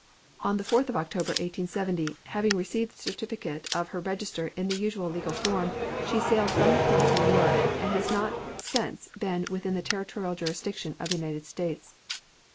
On the 4th of October, 1870, having received the certificate of her register in the usual legal form, she sailed from the port of New York and has not since been within the territorial jurisdiction of the United States.